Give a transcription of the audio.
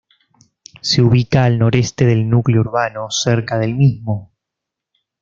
Se ubica al noreste del núcleo urbano, cerca del mismo.